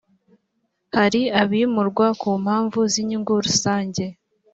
hari abimurwa ku mpamvu z’inyungu rusange